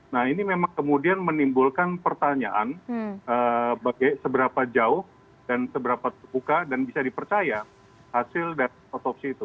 nah ini memang kemudian menimbulkan pertanyaan seberapa jauh dan seberapa terbuka dan bisa dipercaya hasil dari otopsi itu